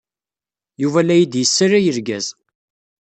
Yuba la iyi-d-yessalay lgaz.